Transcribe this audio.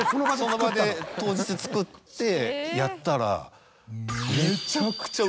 その場で当日作ってやったら。